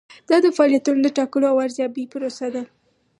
دا د فعالیتونو د ټاکلو او ارزیابۍ پروسه ده.